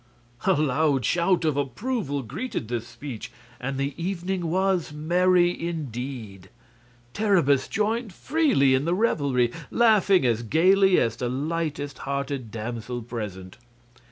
A loud shout of approval greeted this speech, and the evening was merry indeed. Terribus joined freely in the revelry, laughing as gaily as the lightest hearted damsel present.